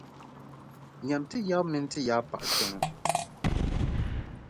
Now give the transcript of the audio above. Nyami ti yaba mini ti yabipaɣa kpe ŋɔ.